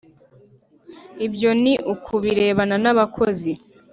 Ibyo ni ukubirebana n‘abakozi,